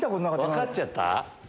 分かっちゃった？